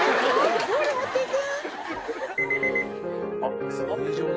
ボール持っていく？